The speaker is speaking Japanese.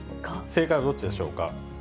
正解はどっちでしょうか。